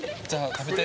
食べて。